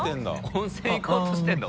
温泉行こうとしてるの？